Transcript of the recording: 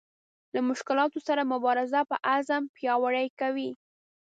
له مشکلاتو سره مبارزه په عزم پیاوړې کوي.